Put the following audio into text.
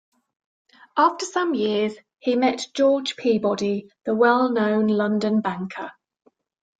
After some years, he met George Peabody, the well-known London banker.